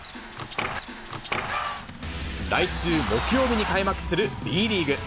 来週木曜日に開幕するＢリーグ。